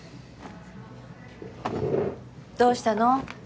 どうしたの？